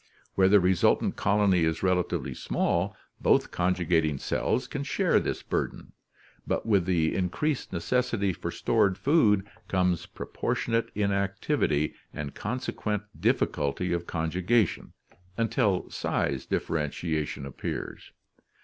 Where the resultant colony is relatively small, both "conjugating cells can share this burden, but with the increased necessity for stored food comes proportionate inactivity and consequent difficulty of conju gation until size differentiation appears.